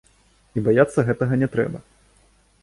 І баяцца гэтага не трэба.